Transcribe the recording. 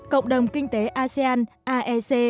cộng đồng kinh tế asean aec